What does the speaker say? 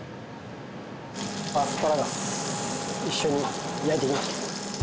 アスパラガス一緒に焼いていきます。